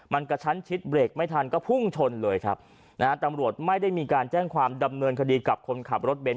มันกระชั้นชิดเบรกไม่ทันก็พุ่งชนเลยครับนะฮะตำรวจไม่ได้มีการแจ้งความดำเนินคดีกับคนขับรถเบนท